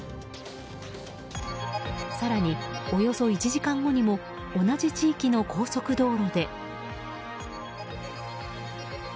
更に、およそ１時間後にも同じ地域の高速道路で。